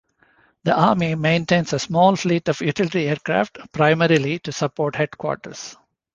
The Army maintains a small fleet of utility aircraft, primarily to support headquarters.